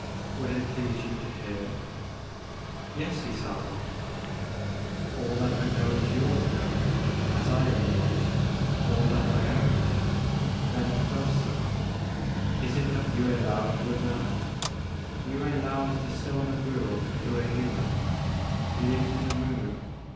Would it please you to hear ?'* '*Yes, Ysonde." All that I know is yours, now, as I am yours, all that I am. Bend closer. Is it of Yue I^ou you would know ? Yue Laou is Dzil Nbu of the Kuen Yuin. He lived in the Moon.